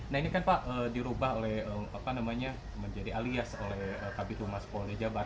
nah ini kan pak dirubah oleh apa namanya menjadi alias oleh kabit humas polda jabar